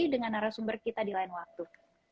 dengan narasumber kita di lain waktu